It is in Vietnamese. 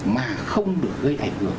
mà không được gây ảnh hưởng